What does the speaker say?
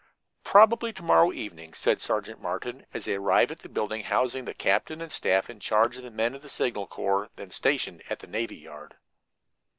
"Probably to morrow evening," said Sergeant Martin, as they arrived at the building housing the captain and staff in charge of men of the Signal Corps then stationed at the navy yard.